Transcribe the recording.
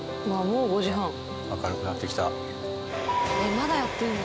まだやってるの？